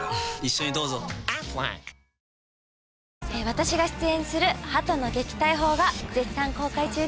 私が出演する『鳩の撃退法』が絶賛公開中です。